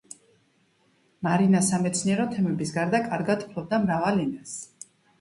მარინა სამეცნიერო თემების გარდა კარგად ფლობდა მრავალ ენას.